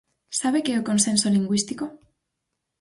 ¿Sabe que é o consenso lingüístico?